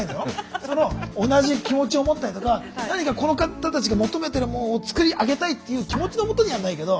その同じ気持ちを持ったりとか何かこの方たちが求めてるもんを作り上げたいっていう気持ちのもとにやるのはいいけど。